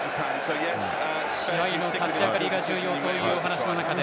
試合の立ち上がりが重要という中で。